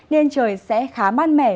nên trời sẽ khá mát mẻ